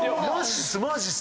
マジっす！